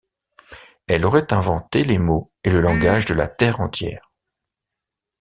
Elle aurait inventé les mots et le langage de la Terre entière.